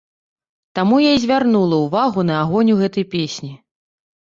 Таму я і звярнула ўвагу на агонь у гэтай песні.